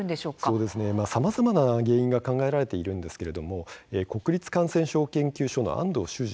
そこは、さまざまな病気が考えられているんですけれども国立感染症研究所の安藤秀二